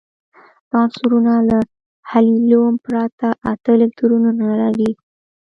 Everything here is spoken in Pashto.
دا عنصرونه له هیلیوم پرته اته الکترونونه لري.